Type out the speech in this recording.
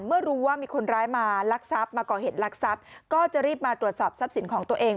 เมื่อรู้ว่ามีคนร้ายมาลักทรัพย์มาก่อเหตุลักษัพก็จะรีบมาตรวจสอบทรัพย์สินของตัวเอง